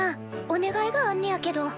お願いがあんねやけど。